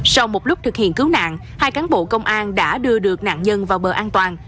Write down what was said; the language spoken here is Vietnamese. sau một lúc thực hiện cứu nạn hai cán bộ công an đã đưa được nạn nhân vào bờ an toàn